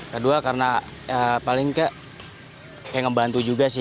kedua karena paling kek ngebantu juga sih